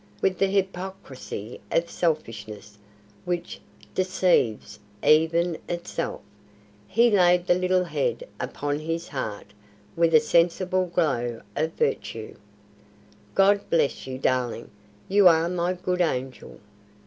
With the hypocrisy of selfishness which deceives even itself, he laid the little head upon his heart with a sensible glow of virtue. "God bless you, darling! You are my Good Angel."